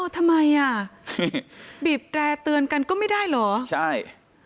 ทำไมอ่ะบีบแตร่เตือนกันก็ไม่ได้เหรอใช่